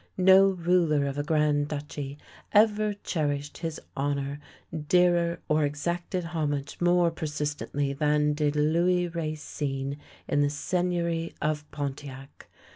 No ruler of a Grand Duchy ever cherished his honour dearer or ex acted homage more persistently than did Louis Racine in the Seigneury of Pontiac.